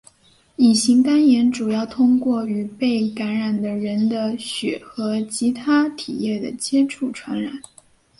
乙型肝炎主要通过与被感染的人的血和其它体液的接触传染。